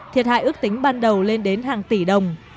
thiệt hại ước tính ban đầu lên đến hàng tỷ đồng